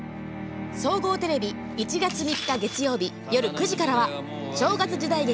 総合テレビ、１月３日、月曜日夜９時からは正月時代劇